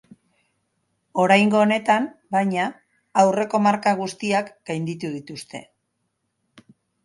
Oraingo honetan, baina, aurreko marka guztiak gainditu dituzte.